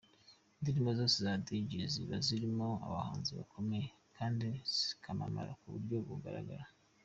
Indirimbo zose za Dj Z ziba zirimo abahanzi bakomeye kandi ziramamara mu buryo bugaragara.